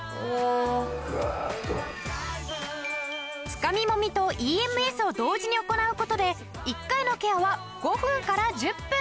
つかみもみとＥＭＳを同時に行う事で１回のケアは５分から１０分。